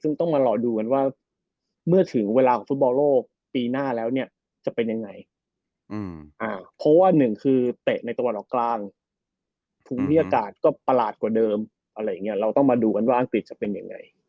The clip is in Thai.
ซึ่งต้องมารอดูกันว่าเมื่อถึงเวลาของฟุตบอลโลกปีหน้าแล้วเนี่ยจะเป็นยังไง